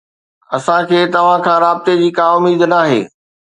اسان کي توهان کان رابطي جي ڪا اميد ناهي